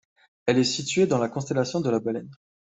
Elle est située dans la constellation de la Baleine.